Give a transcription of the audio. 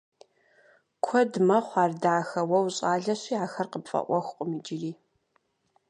Куэд мэхъу ар, дахэ, уэ ущӀалэщи ахэр къыпфӀэӀуэхукъым иджыри.